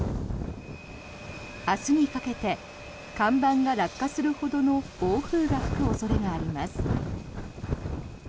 明日にかけて看板が落下するほどの暴風が吹く恐れがあります。